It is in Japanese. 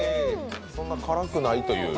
そんな辛くないという。